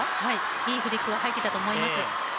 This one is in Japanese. いいフリックが入っていたと思います。